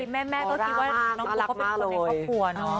แม่ก็คิดว่าน้องปุ๊กก็เป็นคนในครอบครัวเนอะ